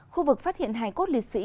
khu vực phát hiện hải cốt lịch sĩ